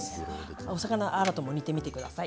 お魚アラとも煮てみてください。